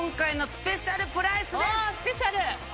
スペシャル。